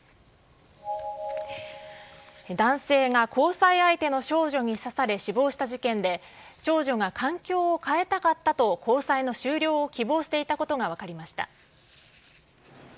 男性が交際相手の少女に刺され、死亡した事件で、少女が環境を変えたかったと交際の終了を希望していたことが分かりました。